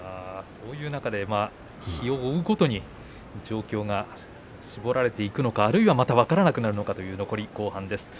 そういう中で日を追うごとに状況が絞られていくのかあるいはまた分からなくなるのか残り後半です。